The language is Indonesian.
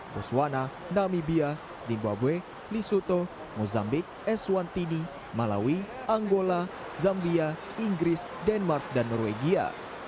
boswana namibia zimbabwe lisuto mozambik eswantini malawi angola zambia inggris denmark dan norwegia